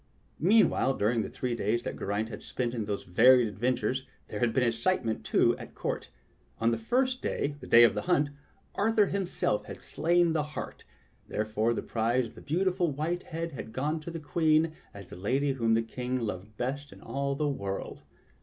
Meanwhile, during the three days that Geraint had spent in these varied adventures, there had been excitement, too, at court. On the first day, the day of the hunt, Arthur himself had slain the hart; there fore the prize of the beautifnl white head had gone to the Queen as the lady whom the King loved best in all the world.